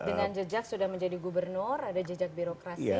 dengan jejak sudah menjadi gubernur ada jejak birokrasi